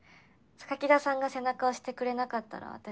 田さんが背中を押してくれなかったら私